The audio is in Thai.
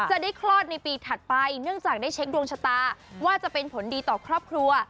คลอดในปีถัดไปเนื่องจากได้เช็คดวงชะตาว่าจะเป็นผลดีต่อครอบครัว